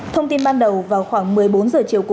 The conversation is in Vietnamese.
thông tin ban đầu vào khoảng một mươi bốn h chiều